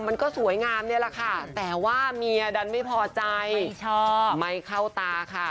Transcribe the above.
มันก็สวยงามนี่แหละค่ะแต่ว่าเมียดันไม่พอใจไม่เข้าตาค่ะ